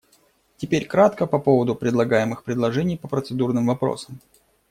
Теперь кратко по поводу предлагаемых предложений по процедурным вопросам.